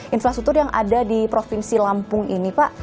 infrastruktur yang ada di provinsi lampung ini pak